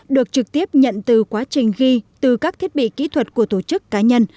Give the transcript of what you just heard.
được trực tiếp nhận từ quá trình ghi từ các thiết bị kỹ thuật của tổ chức cá nhân